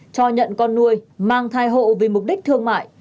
cho nhận con nuôi mang thai hộ vì mục đích thương mại